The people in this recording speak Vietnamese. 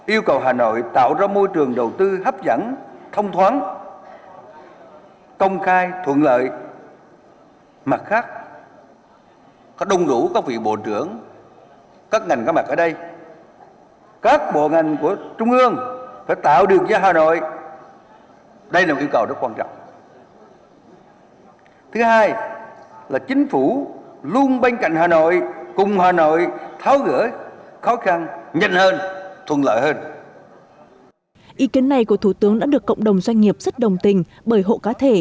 ý kiến này của thủ tướng đã được cộng đồng doanh nghiệp rất đồng tình bởi hộ cá thể